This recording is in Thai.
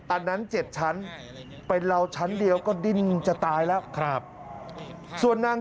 อันนั้น๗ชั้นเป็นเราชั้นเดียวก็ดิ้นจะตายแล้วครับส่วนนาง